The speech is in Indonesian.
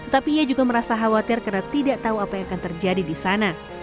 tapi ia juga merasa khawatir karena tidak tahu apa yang akan terjadi di sana